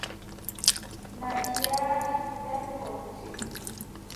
Naʼi nyaari ɗali kolce.